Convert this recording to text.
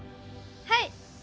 はい！